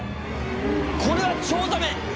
これはチョウザメ。